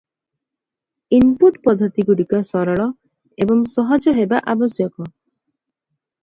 Input ପଦ୍ଧତିଗୁଡ଼ିକ ସରଳ ଏବଂ ସହଜ ହେବା ଆବଶ୍ୟକ ।